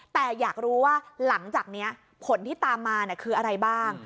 แต่อยากรู้ว่าหลังจากนี้ผลที่ตามมาคืออะไรบ้าง